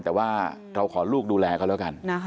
แต่ว่าเราขอลูกดูแลเขาแล้วกัน